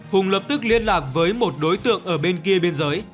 hùng lập tức liên lạc với một đối tượng ở bên kia biên giới